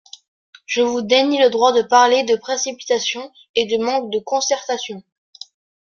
Je vous dénie le droit de parler de précipitation et de manque de concertation.